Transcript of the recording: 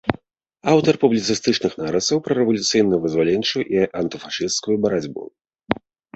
Аўтар публіцыстычных нарысаў пра рэвалюцыйна-вызваленчую і антыфашысцкую барацьбу.